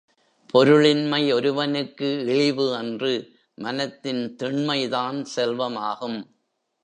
பொருள் இன்மை ஒருவனுக்கு இழிவு அன்று மனத்தின் திண்மைதான் செல்வம் ஆகும்.